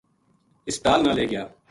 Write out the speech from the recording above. ہسپتال نا لے گیا